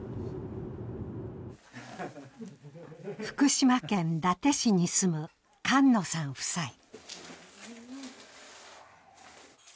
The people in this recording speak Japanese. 福島県伊達市に住む菅野さん夫妻。